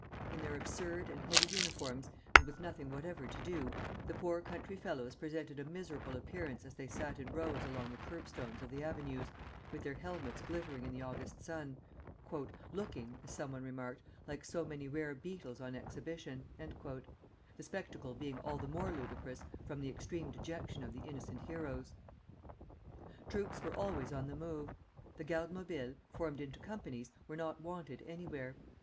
In their absurd and heavy uniforms, and with nothing whatever to do, the poor country fellows presented a miserable appearance as they sat in rows along the curbstones of the avenues, with their helmets glittering in the August sun, "looking," as some one remarked, "like so many rare beetles on exhibition," the spectacle being all the more ludicrous from the extreme dejection of the innocent heroes. Troops were always on the move. The Gardes Mobiles, formed into companies, were not wanted anywhere.